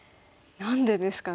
何でですかね。